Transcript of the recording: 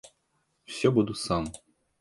Всё буду сам.